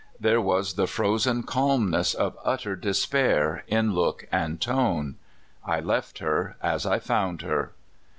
There was the frozen calmness of utter despair in look and tone. I left her as I found her.